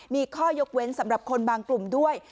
มีข้อยกเว้นสำหรับคนบางกลุ่มด้วย